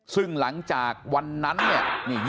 ซึ่งหลังจากวันนั้นเนี่ย